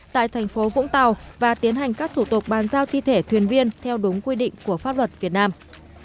tại thành phố vũng tàu và tiến hành các thủ tục bàn giao thi thể thuyền viên theo đúng quy định của pháp luật việt nam